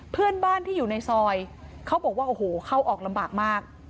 เพื่อนบ้านที่อยู่ในซอยเขาบอกว่าโอ้โหเข้าออกลำบากมาก